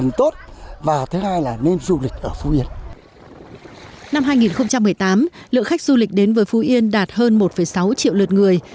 năm hai nghìn một mươi tám lượng khách du lịch đến với phú yên đạt hơn một sáu triệu lượt người